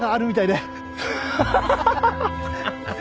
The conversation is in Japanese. ハハハハ！